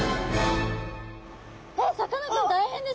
えっさかなクン大変です